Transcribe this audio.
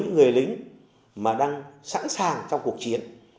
người lính mà đang sẵn sàng trong cuộc chiến